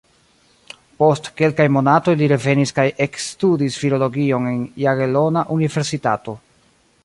Post kelkaj monatoj li revenis kaj ekstudis filologion en Jagelona Universitato.